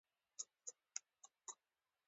عکسونه مې بادل ته پورته کړل.